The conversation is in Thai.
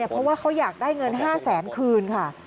เพราะว่าเขาอยากได้เงิน๕แสนคืนค่ะ